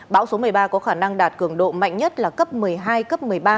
bão số một mươi ba có khả năng đạt cường độ mạnh nhất là cấp một mươi hai cấp một mươi ba